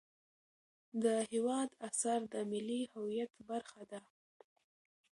د هېواد اثار د ملي هویت برخه ده.